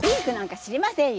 知りませんよ。